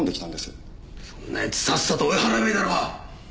そんなやつさっさと追い払えばいいだろう！